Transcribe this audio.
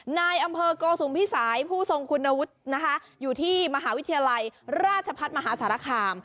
นายอำเภอโกสุมพิสัยผู้ทรงคุณวุฒินะคะอยู่ที่มหาวิทยาลัยราชพัฒน์มหาสารคาม